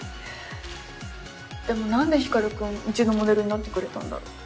でも何で光君うちのモデルになってくれたんだろう？